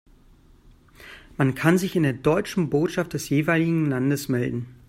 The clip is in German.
Man kann sich in der deutschen Botschaft des jeweiligen Landes melden.